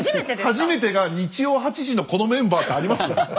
初めてが日曜８時のこのメンバーってあります？